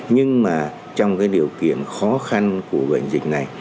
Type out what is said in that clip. nhưng mà trong cái điều kiện khó khăn của bệnh dịch này